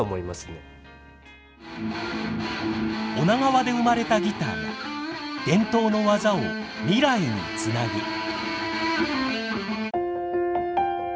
女川で生まれたギターが伝統の技を未来につなぐ。